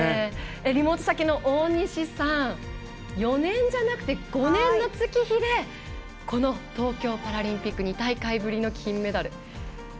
リモート先の大西さん４年じゃなく５年の月日でこの東京パラリンピック２大会ぶりの金メダル。